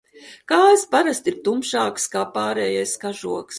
Kājas parasti ir tumšākas kā pārējais kažoks.